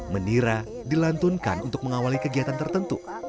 menira dilantunkan untuk mengawali kegiatan tertentu